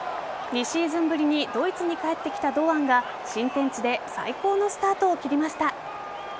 ２シーズンぶりにドイツに帰ってきた堂安が新天地で最高のスタートを切りました。